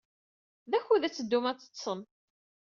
D akud ad teddum ad teḍḍsem.